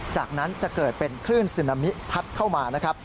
จากนั้นจะเกิดเป็นคลื่นซึนามิพัดเข้ามานะครับ